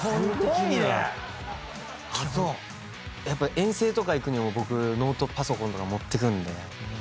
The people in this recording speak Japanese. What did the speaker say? やっぱ遠征とか行くにも僕ノートパソコンとか持ってくんで。